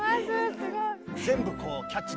すごい。